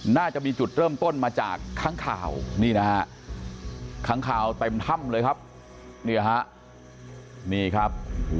น่าจะมีจุดเริ่มต้นมาจากข้างข่าวข้างข่าวเต็มท่ำเลยครับ